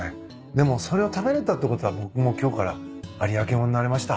でもそれを食べれたってことは僕も今日から有明もんになれました。